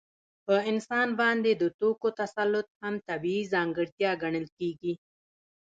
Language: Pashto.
په انسان باندې د توکو تسلط هم طبیعي ځانګړتیا ګڼل کېږي